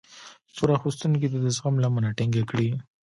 پور اخيستونکی دې د زغم لمنه ټينګه کړي.